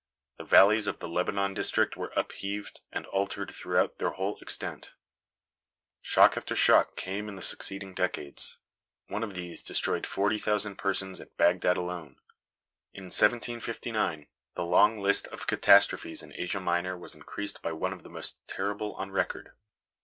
The valleys of the Lebanon district were upheaved and altered throughout their whole extent. [Illustration: RUINS NEAR CAIRO.] Shock after shock came in the succeeding decades. One of these destroyed forty thousand persons at Bagdad alone. In 1759, the long list of catastrophes in Asia Minor was increased by one of the most terrible on record.